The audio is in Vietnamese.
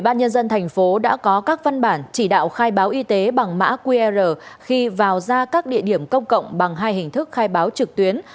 ủy ban nhân dân thành phố đã có các văn bản chỉ đạo khai báo y tế bằng mã qr khi vào ra các địa điểm công cộng bằng hai hình thức khai báo trực tuyến